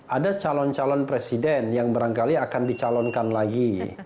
ada calon calon presiden yang barangkali akan dicalonkan lagi